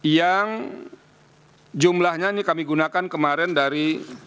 yang jumlahnya ini kami gunakan kemarin dari